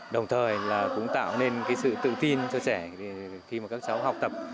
đồng thời cũng tạo nên sự tự tin cho trẻ khi các cháu học tập